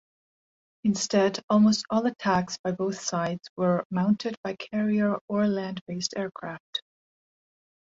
Instead, almost all attacks by both sides were mounted by carrier or land-based aircraft.